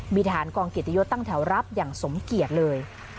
มีทางกองกิจยศตั้งแถวรับอย่างสมเกียรติเลย